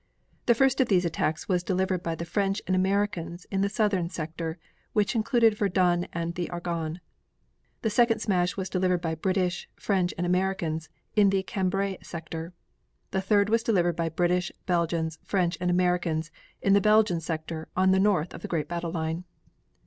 The first of these attacks was delivered by the French and Americans in the southern sector which included Verdun and the Argonne. The second smash was delivered by British, French and Americans in the Cambrai sector. The third was delivered by British, Belgians, French and Americans in the Belgian sector on the north of the great battle line.